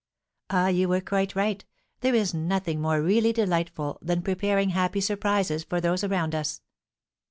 Ah, you were quite right, there is nothing more really delightful than preparing happy surprises for those around us."